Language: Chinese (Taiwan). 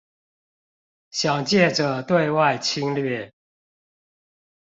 想藉著對外侵略